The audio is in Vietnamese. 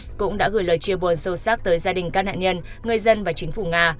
tổng thư ký liên hợp quốc đã gửi lời chia buồn sâu sắc tới gia đình các nạn nhân người dân và chính phủ nga